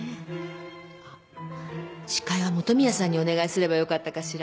あっ司会は本宮さんにお願いすればよかったかしら。